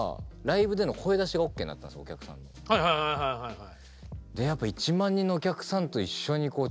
はいはいはいはいはい。